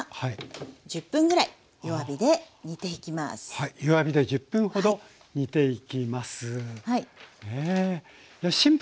はい弱火で１０分ほど煮ていきます。